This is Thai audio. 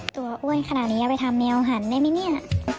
อ้วนขนาดนี้เอาไปทำแนวหันได้ไหมเนี่ย